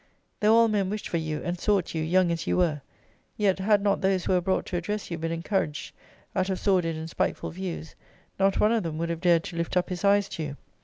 Though all men wished for you, and sought you, young as you were; yet, had not those who were brought to address you been encouraged out of sordid and spiteful views, not one of them would have dared to lift up his eyes to you.